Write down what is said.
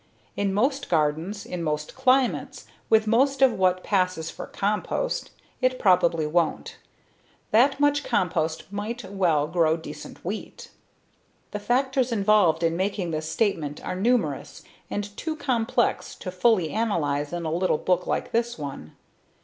In most gardens, in most climates, with most of what passes for "compost," it probably won't. That much compost might well grow decent wheat. The factors involved in making this statement are numerous and too complex to fully analyze in a little book like this one.